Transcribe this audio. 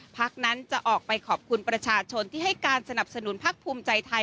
พักนั้นจะออกไปขอบคุณประชาชนที่ให้การสนับสนุนพักภูมิใจไทย